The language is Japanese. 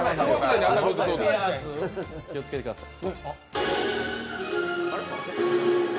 気をつけてください。